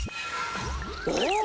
お！